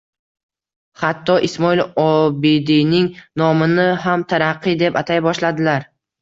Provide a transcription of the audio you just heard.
Xatto, Ismoil Obidiyning nomini ham “Taraqqiy” deb atay boshladilar.